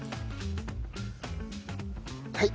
はい。